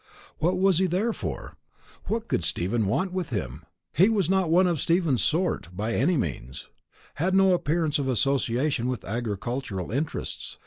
What was he there for? What could Stephen want with him? He was not one of Stephen's sort, by any means; had no appearance of association with agricultural interests.